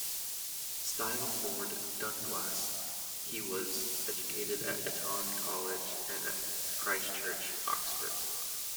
Styled Lord Dunglass, he was educated at Eton College and at Christ Church, Oxford.